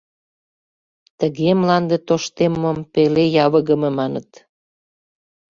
Тыге мланде тоштеммым пеле явыгыме маныт.